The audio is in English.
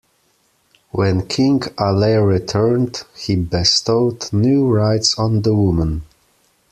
When King Alle returned, he bestowed new rights on the women.